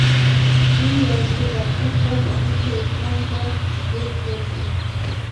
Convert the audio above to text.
دوی ویل چې برصغیر پاک و هند کې اسلام په زور خپور شو.